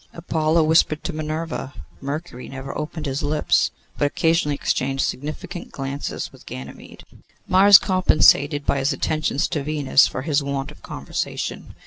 Apollo whispered to Minerva. Mercury never opened his lips, but occasionally exchanged significant glances with Ganymede. Mars compensated, by his attentions to Venus, for his want of conversation.